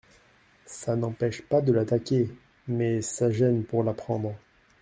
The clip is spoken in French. Ça n'empêche pas de l'attaquer, mais ça gêne pour la prendre.